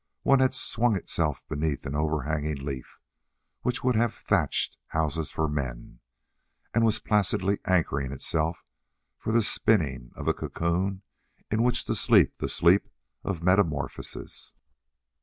One had swung itself beneath an overhanging leaf which would have thatched houses for men and was placidly anchoring itself for the spinning of a cocoon in which to sleep the sleep of metamorphosis.